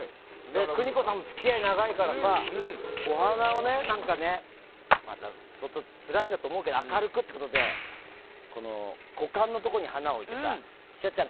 邦子さんも付き合い長いからさ相当つらいんだと思うけどお花を股間のところに花を置いてしょうちゃん